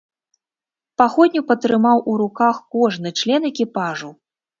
Паходню патрымаў у руках кожны член экіпажу.